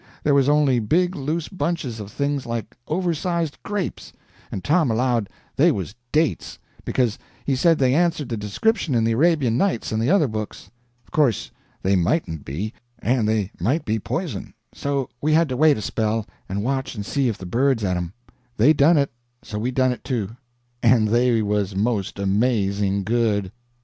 There was only big loose bunches of things like oversized grapes, and Tom allowed they was dates, because he said they answered the description in the Arabian Nights and the other books. Of course they mightn't be, and they might be poison; so we had to wait a spell, and watch and see if the birds et them. They done it; so we done it, too, and they was most amazing good.